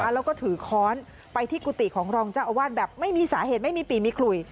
แล้วก็ถือค้อนไปที่กุฏิของรองเจ้าอาวาสแบบไม่มีสาเหตุไม่มีปีมีขลุย